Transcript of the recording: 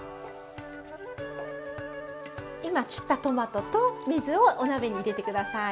今切ったトマトと水をお鍋に入れて下さい。